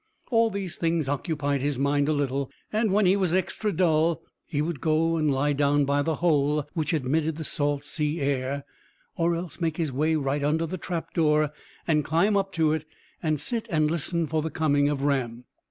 All these things occupied his mind a little, and when he was extra dull, he would go and lie down by the hole which admitted the salt sea air, or else make his way right under the trap door, and climb up to it, and sit and listen for the coming of Ram.